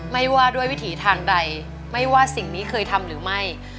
ไม่ว่าด้วยวิถีทางใดไม่ว่าสิ่งนี้เคยทำหรือไม่